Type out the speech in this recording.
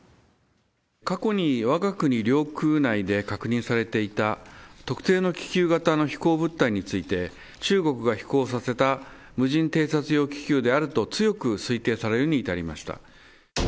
過去にわが国領空内で確認されていた特定の気球型の飛行物体について、中国が飛行させた無人偵察用気球であると強く推定されるに至りました。